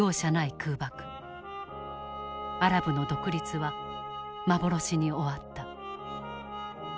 アラブの独立は幻に終わった。